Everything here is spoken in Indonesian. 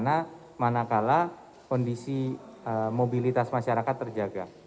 karena manakala kondisi mobilitas masyarakat terjaga